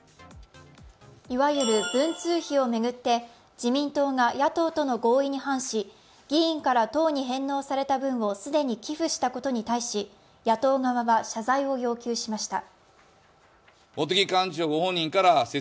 いわゆる文通費を巡って自民党が野党との合意に反し議員から党に返納された分を既に寄付したことに対し野党側は謝罪を要求しました。